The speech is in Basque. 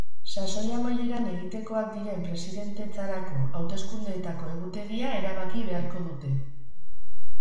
Sasoi amaieran egitekoak diren presidentetzarako hautsekundeetako egutegia erabaki beharko dute.